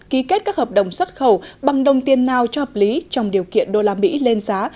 ký kết các hợp đồng xuất khẩu bằng đồng tiền nào cho hợp lý trong điều kiện đô la mỹ lên giá